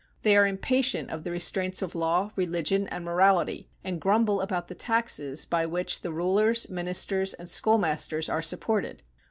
They are impatient of the restraints of law, religion, and morality, and grumble about the taxes by which the Rulers, Ministers, and Schoolmasters are supported.